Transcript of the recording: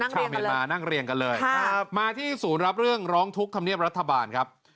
ชาวเมียนมานั่งเรียงกันเลยมาที่ศูนย์รับเรื่องร้องทุกข์ธรรมเนียบรัฐบาลครับ